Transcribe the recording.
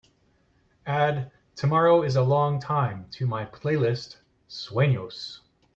Add Tomorrow Is a Long Time to my playlist Sueños